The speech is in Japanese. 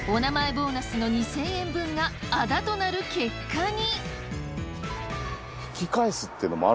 ボーナスの２，０００円分が仇となる結果に。